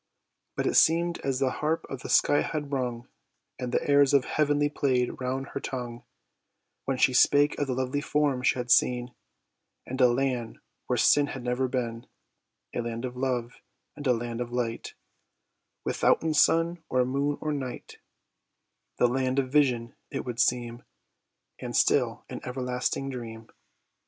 But it seem'd as the harp of the sky had rung, And the airs of heaven play'd round her tongue, When she spake of the lovely forms she had seen, And a land where sin had never been; A land of love and a land of light, Withouten sun, or moon, or night; The land of vision it would seem, And still an everlasting dream.